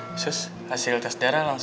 what's talk di rumah